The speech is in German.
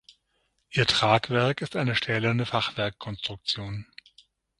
Ihr Tragwerk ist eine stählerne Fachwerkkonstruktion.